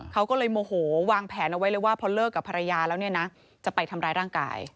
เขาก็เลยโมโหวางแผนเอาไว้เลยว่าพอเลิกกับภรรยาแล้วเนี่ยนะจะไปทำร้ายร่างกาย